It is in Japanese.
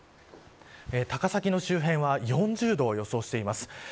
高崎の周辺は４０度を予想しています。